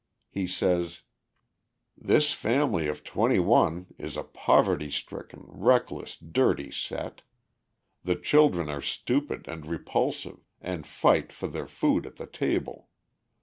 He says: This family of twenty one is a poverty stricken, reckless, dirty set. The children are stupid and repulsive, and fight for their food at the table.